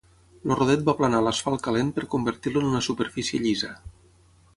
El rodet va aplanar l'asfalt calent per convertir-lo en una superfície llisa.